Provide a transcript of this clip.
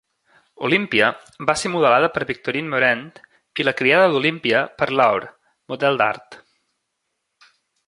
Olympia va ser modelada per Victorine Meurent i la criada d'Olympia per Laure, model d'art.